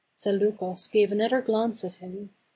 Zaleukos gave another glance at him.